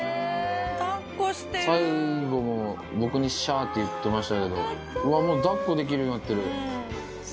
最後も僕にしゃーって言ってましたけど、うわっ、もうだっこできるようになってる。